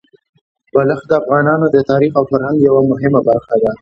بلخ د افغانانو د تاریخ او فرهنګ یوه مهمه برخه ده.